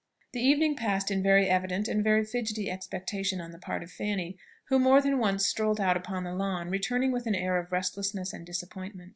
The evening passed in very evident and very fidgetty expectation on the part of Fanny, who more than once strolled out upon the lawn, returning with an air of restlessness and disappointment.